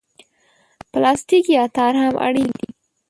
پلاستیک یا تار هم اړین دي.